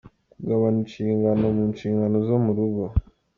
Kugabana inshingano mu nshingano zo mu rugo.